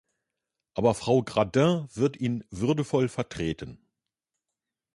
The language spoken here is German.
Aber Frau Gradin wird ihn würdevoll vertreten.